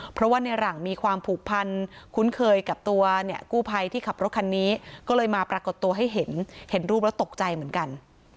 เพราะว่าในหลังมีความผูกพันคุ้นเคยกับตัวเนี่ยกู้ภัยที่ขับรถคันนี้ก็เลยมาปรากฏตัวให้เห็นเห็นรูปแล้วตกใจเหมือนกัน